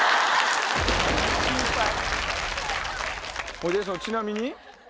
ほいでちなみに？